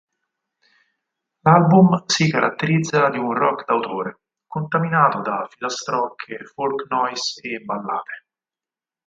L'album si caratterizza di un rock d'autore, contaminato da "filastrocche" folk-noise e ballate.